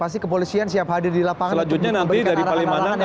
selanjutnya nanti dari palimanan